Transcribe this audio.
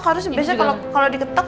harus biasanya kalau diketuk